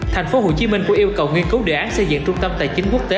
tp hcm cũng yêu cầu nghiên cứu đề án xây dựng trung tâm tài chính quốc tế